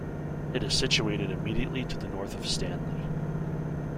It is situated immediately to the north of Stanley.